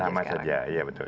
nama saja iya betul